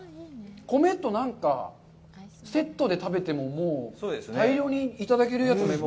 米と何かセットで食べてももう大量にいただけるやつですね。